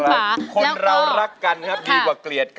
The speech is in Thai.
ด้านล่างเขาก็มีความรักให้กันนั่งหน้าตาชื่นบานมากเลยนะคะ